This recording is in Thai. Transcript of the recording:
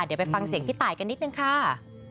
เดี๋ยวไปฟังเสียงพี่ตายกันนิดนึงค่ะ